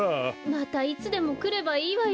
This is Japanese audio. またいつでもくればいいわよ。